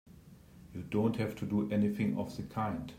You don't have to do anything of the kind!